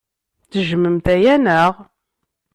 Tejjmemt aya, naɣ?